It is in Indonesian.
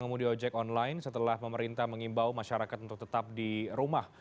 pengemudi ojek online setelah pemerintah mengimbau masyarakat untuk tetap di rumah